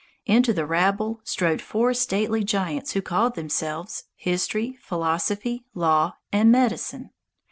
Into the rabble strode four stately giants who called themselves History, Philosophy, Law, and Medicine.